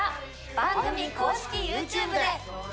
番組公式ＹｏｕＴｕｂｅで。